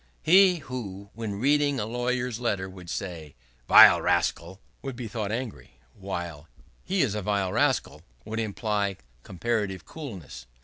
He who, when reading a lawyer's letter, should say, "Vile rascal!" would be thought angry; while, "He is a vile rascal!" would imply comparative coolness.